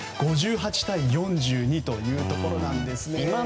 ５８対４２というところですね。